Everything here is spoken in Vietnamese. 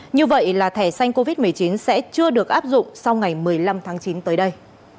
như vậy là thẻ xanh covid một mươi chín sẽ chưa được áp dụng sau ngày một mươi năm tháng chín tới đây